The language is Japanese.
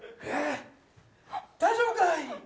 大丈夫かい？